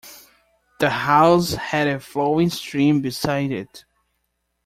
The house had a flowing stream beside it.